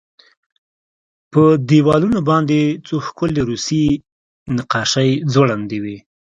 په دېوالونو باندې څو ښکلې روسي نقاشۍ ځوړندې وې